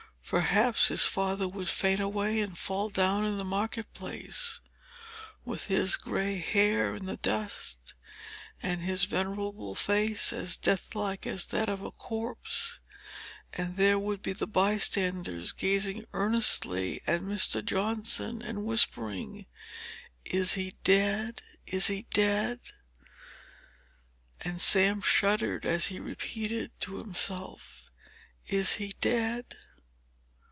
—perhaps his father would faint away, and fall down in the market place, with his gray hair in the dust, and his venerable face as deathlike as that of a corpse. And there would be the bystanders gazing earnestly at Mr. Johnson, and whispering, "Is he dead? Is he dead?" And Sam shuddered, as he repeated to himself: "Is he dead?"